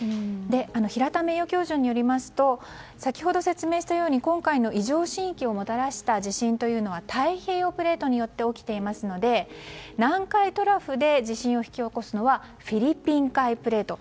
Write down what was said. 平田名誉教授によりますと先ほど説明したように今回の異常震域をもたらした地震は太平洋プレートによって起きていますので、南海トラフで地震を引き起こすのはフィリピン海プレート。